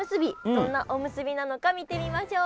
どんなおむすびなのか見てみましょう。